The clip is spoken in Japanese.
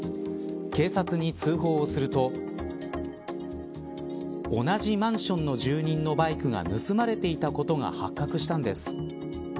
警察に通報すると同じマンションの住人のバイクが盗まれていたことが発覚したんです。